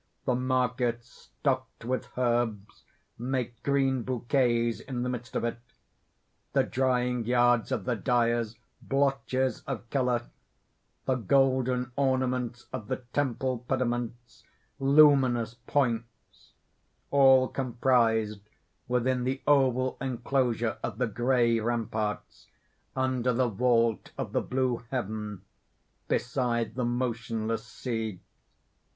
The markets stocked with herbs make green bouquets in the midst of it; the drying yards of the dyers, blotches of color; the golden ornaments of the temple pediments, luminous points all comprised within the oval enclosure of the grey ramparts, under the vault of the blue heaven, beside the motionless sea.